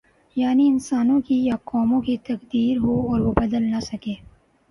یعنی انسانوں کی یا قوموں کی تقدیر ہو اور وہ بدل نہ سکے۔